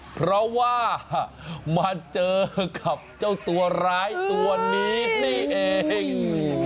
เพราะว่ามาเจอกับเจ้าตัวร้ายตัวนี้นี่เอง